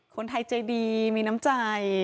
คนไทยใจดีมีน้ำใจ